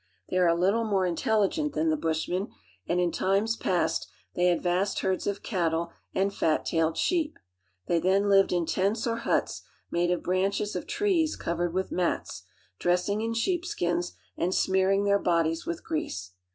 They are a httle more intelligent than the Bushmen, and in times past they had vast herds of cattle and fat tailed sheep. They then lived in tents or huts made of branches of covered with dressing in shee] skins and smearingf their bodies with grease.